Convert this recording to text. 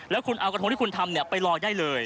แล้วคุณเอากระทงที่คุณทำไปลอยได้เลย